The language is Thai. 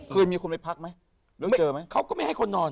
เคยมีคนไปพักไหมเค้าก็ไม่ให้คนนอน